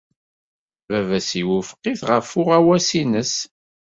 Baba-s iwufeq-it ɣef uɣawas-nnes.